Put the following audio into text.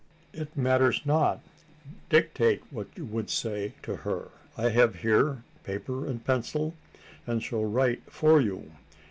"It matters not: dictate what you would say to her. I have here paper and pencil; and shall write for you.